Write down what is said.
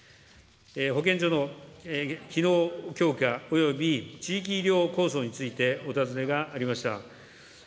保健所の機能強化および地域医療構想についてお尋ねがありました。